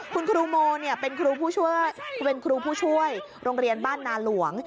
คุณครูโมเป็นครูผู้ช่วยโรงเรียนบ้านนาหลวง